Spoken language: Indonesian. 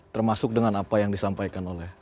termasuk dengan apa yang disampaikan oleh